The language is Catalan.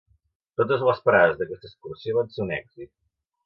Totes les parades d'aquesta excursió van ser un èxit.